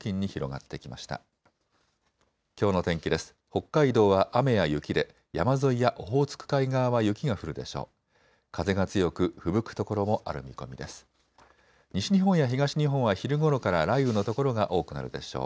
北海道は雨や雪で山沿いやオホーツク海側は雪が降るでしょう。